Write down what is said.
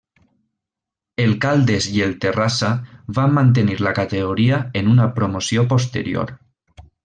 El Caldes i el Terrassa van mantenir la categoria en una promoció posterior.